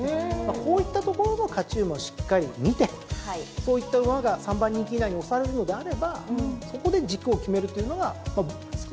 こういったところの勝ち馬しっかり見てそういった馬が３番人気以内に推されるのであればそこで軸を決めるというのが僕のやり方です。